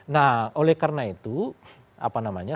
nah oleh karena itu apa namanya